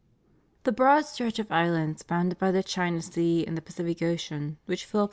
The broad stretch of islands bounded by the China Sea and the Pacific Ocean which Phihp II.